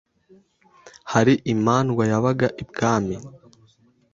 Hari imandwa yabaga ibwami